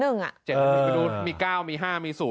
๗หรือ๑ไปดูมี๙มี๕มี๐